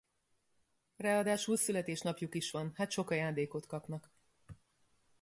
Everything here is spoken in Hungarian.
Ráadásul születésnapjuk is van, hát sok ajándékot kapnak.